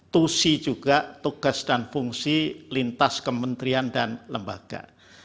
tusi juga tugas dan fungsi lintas kementerian dan lembaga